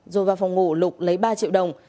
rồi vào phòng ngủ lục lấy ba triệu đồng